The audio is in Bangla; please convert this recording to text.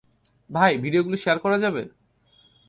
ভাই, ভিডিওগুলো শেয়ার করা যাবে?